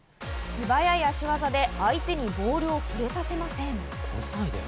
素早い足技で相手にボールを触れさせません。